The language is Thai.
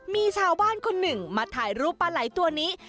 มีชาวบ้านคนหนึ่งมาถ่ายรูปปลาไหล่ตัวนี้